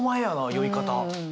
酔い方！